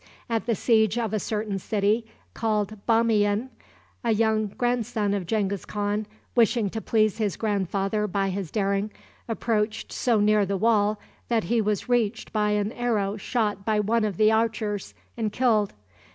At the siege of a certain city, called Bamiyan, a young grandson of Genghis Khan, wishing to please his grandfather by his daring, approached so near the wall that he was reached by an arrow shot by one of the archers, and killed.